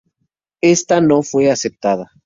Esta no fue aceptada.